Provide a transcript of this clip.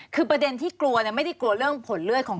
คือประเด็นที่กลัวไม่ได้กลัวเรื่องผลเลือดของ